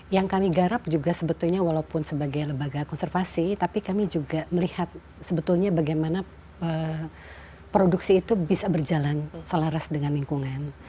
yang kami garap juga sebetulnya walaupun sebagai lembaga konservasi tapi kami juga melihat sebetulnya bagaimana produksi itu bisa berjalan selaras dengan lingkungan